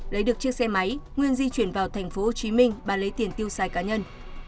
lấy được chiếc xe máy nguyên di chuyển vào tp hcm và lấy tiền tiêu xài cá nhân